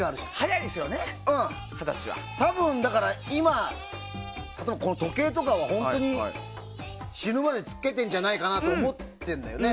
多分、だから今例えば時計とかは本当に死ぬまでつけてると思ってるんだよね。